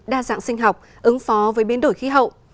đa dạng sinh học ứng phó với biến đổi khí hậu